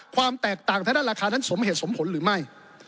ความแตกต่างทางด้านราคานั้นสมเหตุสมผลหรือไม่